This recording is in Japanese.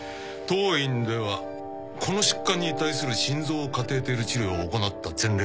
当院ではこの疾患に対する心臓カテーテル治療を行った前例はありません